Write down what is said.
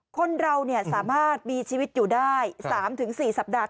คนเราสามารถมีชีวิตอยู่ได้๓๔สัปดาห์